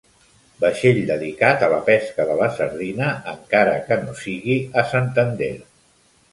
Vaixell dedicat a la pesca de la sardina, encara que no sigui a Santander.